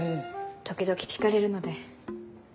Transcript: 時々聞かれるので。